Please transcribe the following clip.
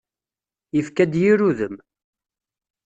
Yefka-d yir udem.